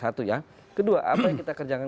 satu ya kedua apa yang kita kerjakan